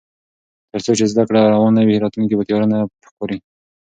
تر څو چې زده کړه روانه وي، راتلونکی به تیاره نه ښکاري.